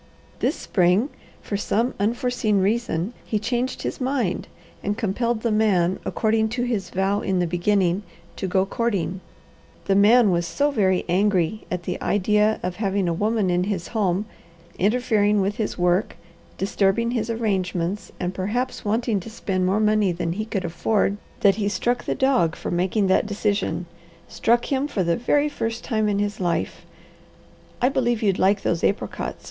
This spring, for some unforeseen reason, he changed his mind, and compelled the man, according to his vow in the beginning, to go courting. The man was so very angry at the idea of having a woman in his home, interfering with his work, disturbing his arrangements, and perhaps wanting to spend more money than he could afford, that he struck the dog for making that decision; struck him for the very first time in his life I believe you'd like those apricots.